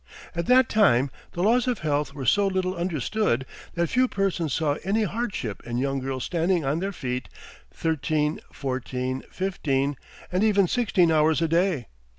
At that time the laws of health were so little understood that few persons saw any hardship in young girls standing on their feet thirteen, fourteen, fifteen, and even sixteen hours a day!